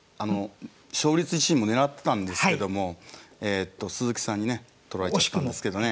勝率１位も狙ってたんですけども鈴木さんにね取られちゃったんですけどね。